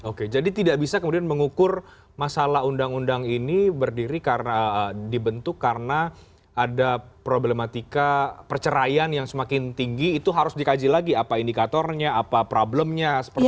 oke jadi tidak bisa kemudian mengukur masalah undang undang ini berdiri karena dibentuk karena ada problematika perceraian yang semakin tinggi itu harus dikaji lagi apa indikatornya apa problemnya seperti apa